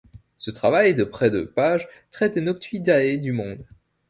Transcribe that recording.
Ce travail de près de pages traite des Noctuidae du monde.